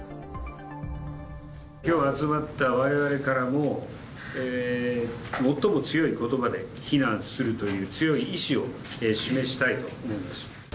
きょう集まったわれわれからも、最も強いことばで非難するという強い意志を示したいと思います。